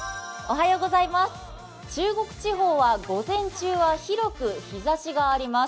中国地方は午前中は広く日ざしがあります。